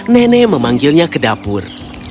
nenek memanggilnya ke dapur